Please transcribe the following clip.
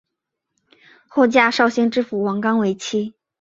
后嫁绍兴知府汪纲为妻。